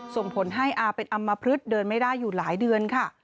ส่งผลให้อาเป็นอำมพลึกเดินไม่ได้อยู่หลายเดือนค่ะ